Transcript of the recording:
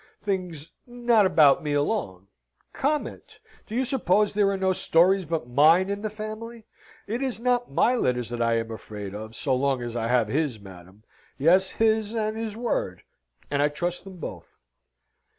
Things not about me alone. Comment! Do you suppose there are no stories but mine in the family? It is not my letters that I am afraid of, so long as I have his, madam. Yes, his and his word, and I trust them both."